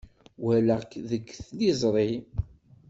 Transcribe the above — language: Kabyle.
Walaɣ-k deg tliẓri.